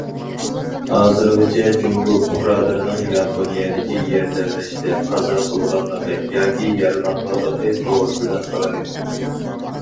ھازىرغىچە، جۇڭگو پۇقرالىرىنىڭ ياپونىيەدىكى يەر تەۋرەشتە قازا قىلغانلىقى ياكى يارىلانغانلىقى توغرىسىدا خەۋەر يوق.